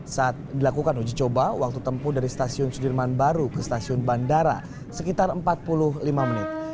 saat dilakukan uji coba waktu tempuh dari stasiun sudirman baru ke stasiun bandara sekitar empat puluh lima menit